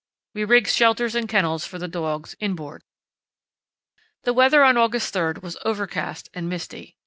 We rigged shelters and kennels for the dogs inboard. The weather on August 3 was overcast and misty.